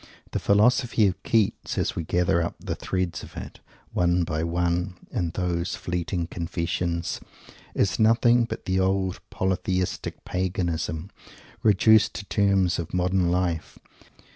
The Philosophy of Keats, as we gather up the threads of it, one by one, in those fleeting confessions, is nothing but the old polytheistic paganism, reduced to terms of modern life.